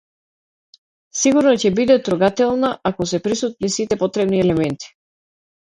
Сигурно ќе биде трогателна ако се присутни сите потребни елементи.